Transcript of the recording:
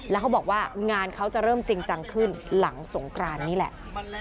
แล้วเขาบอกว่างานเขาจะเริ่มจริงจังขึ้นหลังสงกรานนี่แหละ